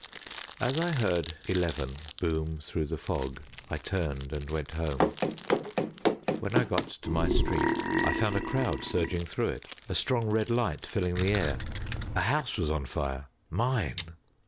As I heard eleven boom through the fog, I turned, and went home. When I got to my street, I found a crowd surging through it, a strong red light filling the air. A house was on fire. Mine.